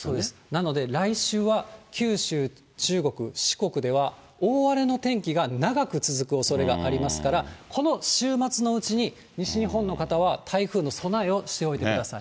なので、来週は九州、中国、四国では、大荒れの天気が長く続くおそれがありますから、この週末のうちに西日本の方は台風の備えをしておいてください。